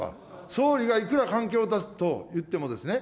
総理がいくら関係を断つと言ってもですね。